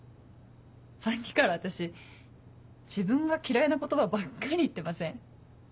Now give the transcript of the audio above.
さっきから私自分が嫌いな言葉ばっかり言ってません？